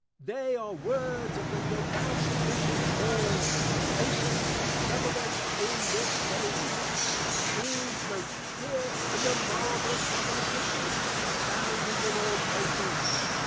They are words of the Devout Bishop Hall, _Satans prevalency in this Age, is most clear in the marvellous Number of Witches, abounding in all places.